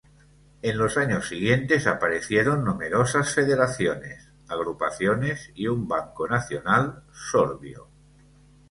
En los siguientes años aparecieron numerosas federaciones, agrupaciones y un banco nacional sorbio.